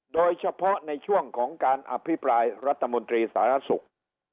โดยเฉพาะในช่วงของการอภิปรายรัฐมนตรีสารสุข